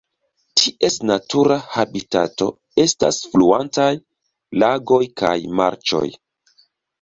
Ties natura habitato estas fluantaj lagoj kaj marĉoj.